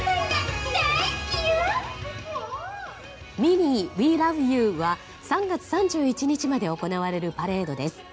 ミニー、ウィー・ラブ・ユー！は３月３１日まで行われるパレードです。